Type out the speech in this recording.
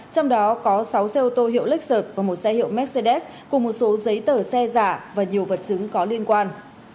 trong đó có sáu xe ô tô hiệu lếcher và một xe hiệu mercedes cùng một số giấy tờ xe giả và nhiều vật chứng có liên quan